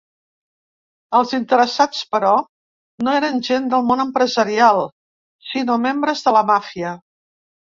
Els interessats, però, no eren gent del món empresarial, sinó membres de la màfia.